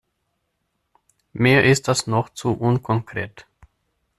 Mir ist das noch zu unkonkret.